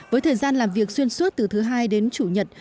với thời gian làm việc xuyên suốt từ thứ hai đến chủ nhật